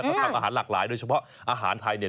เขาทำอาหารหลากหลายโดยเฉพาะอาหารไทยเนี่ย